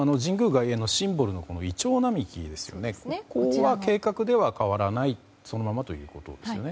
外苑周辺のシンボルのイチョウ並木は計画では変わらないそのままということですね。